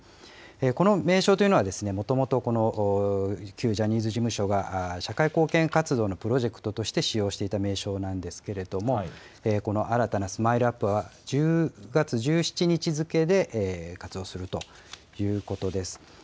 この名称というのは、もともと、旧ジャニーズ事務所が社会貢献活動のプロジェクトとして使用していた名称なんですけれども、この新たなＳＭＩＬＥーＵＰ．は１０月１７日付で活動するということです。